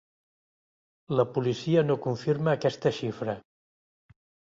La policia no confirma aquesta xifra.